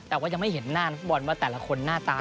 แต่ก็ยังไม่เห็นหน้าภูตบอลว่าแต่ละคนหน้าตามของจริงไหม